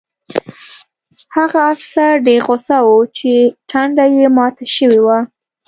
هغه افسر ډېر غوسه و چې ټنډه یې ماته شوې وه